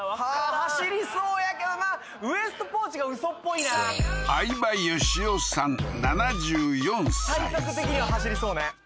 走りそうやけどなウエストポーチがウソっぽいな体格的には走りそうね